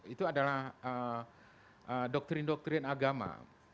itu adalah doktrin doktrin agama